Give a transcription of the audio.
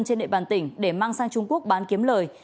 trên địa bàn tỉnh để mang sang trung quốc bán kiếm lời